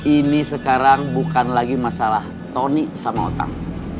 ini sekarang bukan lagi masalah tony sama otak